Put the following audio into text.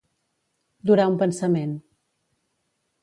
Durar un pensament.